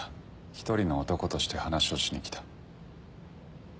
一人の男として話をしに来た。